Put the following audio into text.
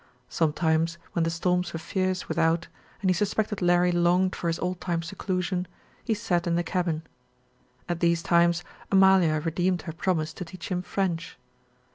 Sometimes when the storms were fierce without, and he suspected Larry longed for his old time seclusion, he sat in the cabin. At these times Amalia redeemed her promise to teach him French.